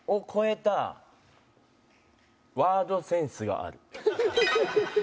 さあ「ワードセンスがある」